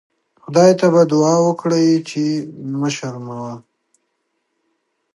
خدای ته به دوعا وکړئ چې مه شرموه.